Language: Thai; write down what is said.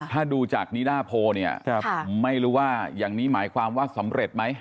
ถ้าดูจากนิดาโพลเนี่ยไม่รู้ว่าอย่างนี้หมายความว่าสำเร็จไหม